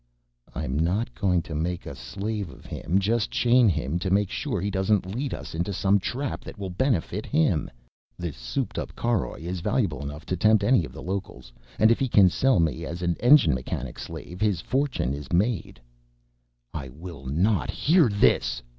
"I'm not going to make a slave of him, just chain him to make sure he doesn't lead us into some trap that will benefit him. This souped up caroj is valuable enough to tempt any of the locals, and if he can sell me as an engine mechanic slave his fortune is made." "I will not hear this!"